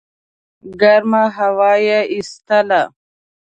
ګرمه هوا یې ایستله.